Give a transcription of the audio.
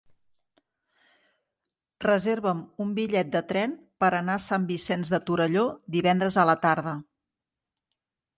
Reserva'm un bitllet de tren per anar a Sant Vicenç de Torelló divendres a la tarda.